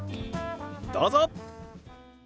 どうぞ。